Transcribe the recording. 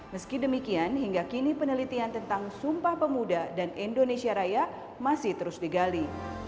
meski demikian hingga kini penelitian tentang sumpah pemuda dan indonesia raya masih terus digali